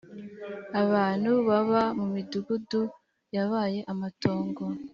abantu baba mu midugudu yabaye amatongo